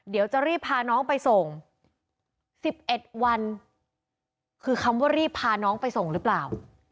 เดี๋ยวจะรีบพาน้องไปส่ง๑๑วันคือคำว่ารีบพาน้องไปส่งหรือเปล่า